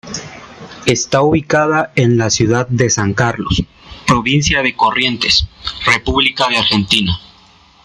Está ubicada en la ciudad de San Carlos, provincia de Corrientes, República Argentina.